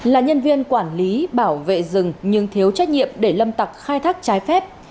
là nhân viên quản lý bảo vệ rừng nhưng thiếu trách nhiệm để lâm tặc khai thác trái phép